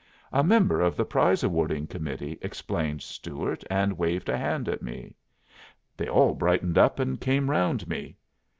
"A member of the prize awarding committee," explained Stuart, and waved a hand at me. They all brightened up and came round me.